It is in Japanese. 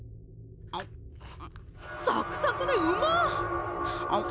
あむっんっサクサクでうまっ！